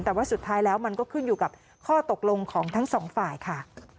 แต่ว่าสุดท้ายแล้วมันก็ขึ้นอยู่กับข้อตกลงของทั้งสองฝ่ายค่ะ